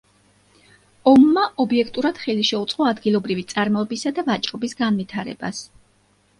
ომმა ობიექტურად ხელი შეუწყო ადგილობრივი წარმოებისა და ვაჭრობის განვითარებას.